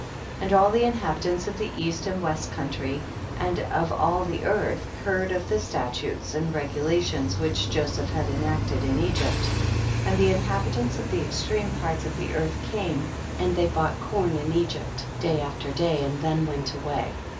38. And all the inhabitants of the east and west country, and of all the earth, heard of the statutes and re gulations which Joseph had enacted in Egypt, and the inhabitants of the extreme parts of the earth came and they bought corn in Egypt day after day, and then went away.